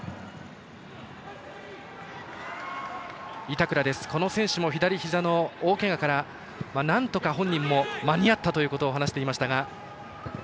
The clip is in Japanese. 板倉、この選手も左ひざの大けがからなんとか本人も間に合ったということを話していましたが。